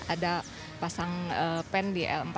ada pasang pen di l empat